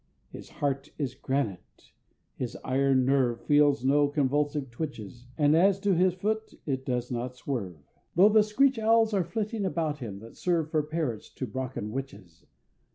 His heart is granite his iron nerve Feels no convulsive twitches; And as to his foot, it does not swerve, Tho' the Screech Owls are flitting about him that serve For parrots to Brocken Witches!